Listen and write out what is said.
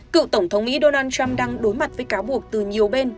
cựu tổng thống mỹ donald trump đang đối mặt với cáo buộc từ nhiều bên